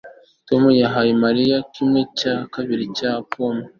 Tom yahaye Mariya kimwe cya kabiri cya pome